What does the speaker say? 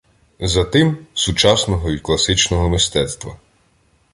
Затим – сучасного й класичного мистецтва